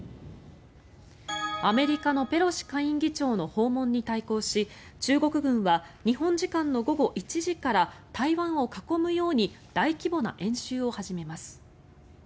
アメリカのペロシ下院議長の訪問に対抗し中国軍は日本時間の午後１時から台湾を囲むように大規模な演習を始めます。